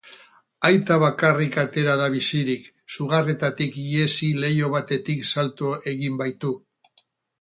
Aita bakarrik atera da bizirik, sugarretatik ihesi leiho batetik salto egin baitu.